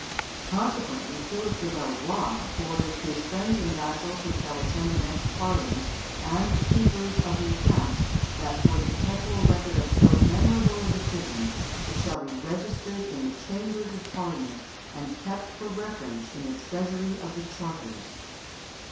Consequently Philippe de Valois ordered "his friends and vassals who shall attend the next Parliament and the keepers of the accounts, that for the perpetual record of so memorable a decision, it shall be registered in the Chambers of Parliament and kept for reference in the Treasury of the Charters."